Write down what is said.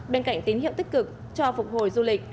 bên cạnh tín hiệu tích cực cho phục hồi du lịch